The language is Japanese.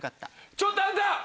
ちょっとあんた！